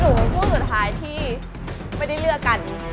คู่สุดท้ายที่ไม่ได้เลือกกัน